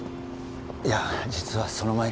いや実はその前に